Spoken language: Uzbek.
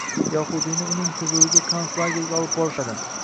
Yahudiyni uning huzuriga konslagerga olib borishadi.